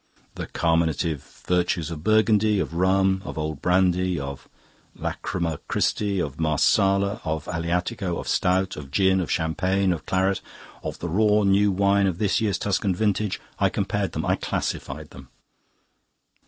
The carminative virtues of burgundy, of rum, of old brandy, of Lacryma Christi, of Marsala, of Aleatico, of stout, of gin, of champagne, of claret, of the raw new wine of this year's Tuscan vintage I compared them, I classified them.